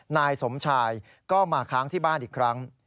นายสมชายก็มาค้างที่บ้านอีกครั้ง